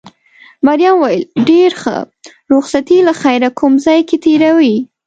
مريم وویل: ډېر ښه، رخصتي له خیره کوم ځای کې تېروې؟